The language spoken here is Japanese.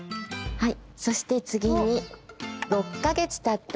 はい。